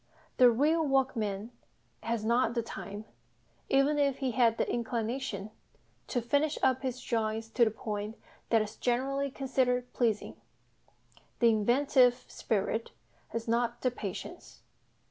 The real workman has not the time, even if he had the inclination, to "finish up" his drawings to the point that is generally considered pleasing; the inventive spirit has not the patience.